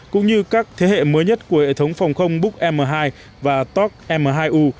cũng như các thế hệ mới nhất của hệ thống phòng không book m hai và top m hai u